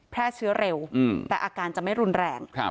แพร่เชื้อเร็วแต่อาการจะไม่รุนแรง